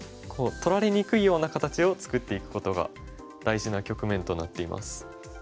取られにくいような形を作っていくことが大事な局面となっています。